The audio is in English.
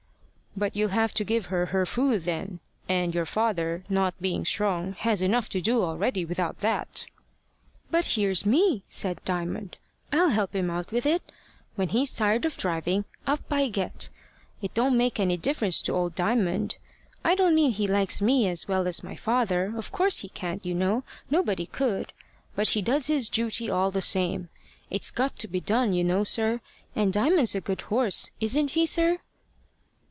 "But you'll have to give her her food then; and your father, not being strong, has enough to do already without that." "But here's me," said Diamond: "I help him out with it. When he's tired of driving, up I get. It don't make any difference to old Diamond. I don't mean he likes me as well as my father of course he can't, you know nobody could; but he does his duty all the same. It's got to be done, you know, sir; and Diamond's a good horse isn't he, sir?"